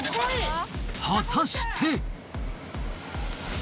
果たして。